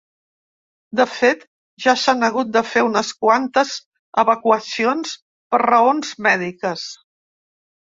De fet, ja s’han hagut de fer unes quantes evacuacions per raons mèdiques.